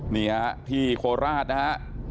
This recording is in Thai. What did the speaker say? นี่ฮะที่โคราชนะฮะ